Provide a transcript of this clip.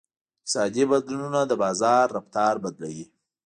اقتصادي بدلونونه د بازار رفتار بدلوي.